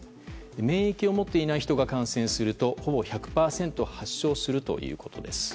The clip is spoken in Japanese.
免疫を持っていない人が感染するとほぼ１００％発症するということです。